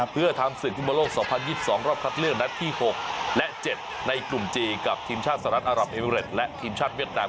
เพื่อทำศึกฟุตบอลโลก๒๐๒๒รอบคัดเลือกนัดที่๖และ๗ในกลุ่มจีนกับทีมชาติสหรัฐอารับเอมิเรตและทีมชาติเวียดนาม